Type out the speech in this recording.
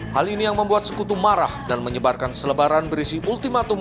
hal ini yang membuat sekutu marah dan menyebarkan selebaran berisi ultimatum